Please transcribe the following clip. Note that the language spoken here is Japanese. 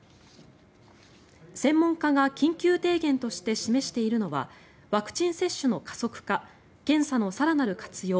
専門家が緊急提言として示しているのはワクチン接種の加速化検査の更なる活用